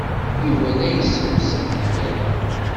Yuba la yessemsad tiferyin.